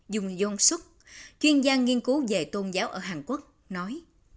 dung yong suk chuyên gia nghiên cứu về tôn giáo ở hàn quốc nói